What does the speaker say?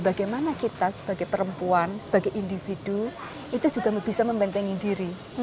bagaimana kita sebagai perempuan sebagai individu itu juga bisa membentengi diri